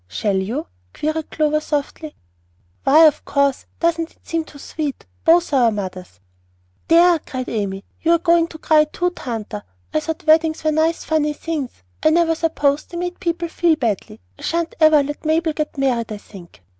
"Shall you?" queried Clover, softly. "Why, of course! Doesn't it seem too sweet? Both our mothers!" "There!" cried Amy, "you are going to cry too, Tanta! I thought weddings were nice funny things. I never supposed they made people feel badly. I sha'n't ever let Mabel get married, I think.